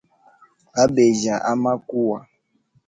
Abejya amakuwa.